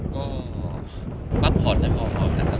ก็ปัดผ่อนในความพร้อมนะครับ